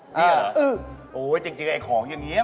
นี่หรออืมโอ๊ยจริงไอ้ของอย่างเงี้ย